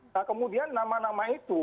nah kemudian nama nama itu